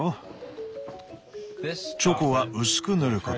チョコは薄く塗ること。